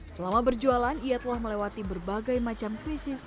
selama berjualan ia telah melewati berbagai macam krisis